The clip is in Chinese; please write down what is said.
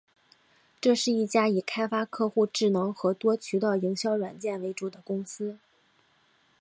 这是一家以开发客户智能和多渠道营销软件为主的公司。